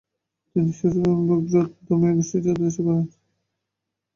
তিনি স্মার-ত্শাং-ব্কা'-ব্র্গ্যুদ ধর্মীয় গোষ্ঠীর প্রতিষ্ঠা করেন।